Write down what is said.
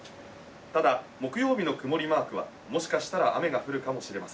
ただ木曜日の曇りマークはもしかしたら雨が降るかもしれません。